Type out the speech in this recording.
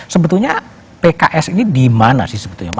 sebetulnya pks ini dimana sih sebetulnya